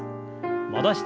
戻して。